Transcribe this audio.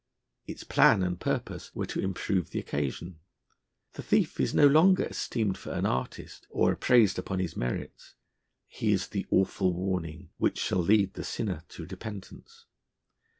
Its plan and purpose were to improve the occasion. The thief is no longer esteemed for an artist or appraised upon his merits: he is the awful warning, which shall lead the sinner to repentance.